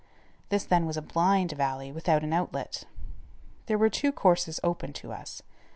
This then was a "blind" valley without an outlet. There were two courses open to us.